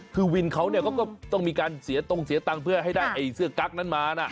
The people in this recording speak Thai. คือวินเขาเนี่ยเขาก็ต้องมีการเสียตรงเสียตังค์เพื่อให้ได้เสื้อกั๊กนั้นมานะ